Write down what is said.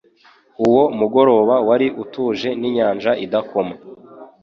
Uwo mugoroba wari utuje n'inyanja nayo idakoma.